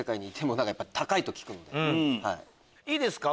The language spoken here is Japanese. いいですか？